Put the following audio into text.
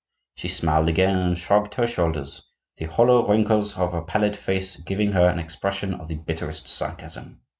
She smiled again and shrugged her shoulders, the hollow wrinkles of her pallid face giving her an expression of the bitterest sarcasm.